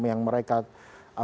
yang mereka apa namanya